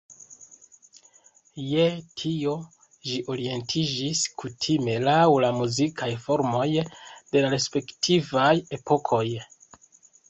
Je tio ĝi orientiĝis kutime laŭ la muzikaj formoj de la respektivaj epokoj.